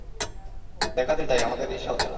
দেখাতে চাই, আমাদের ঈর্ষা হচ্ছে না।